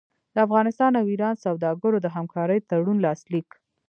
د افغانستان او ایران سوداګرو د همکارۍ تړون لاسلیک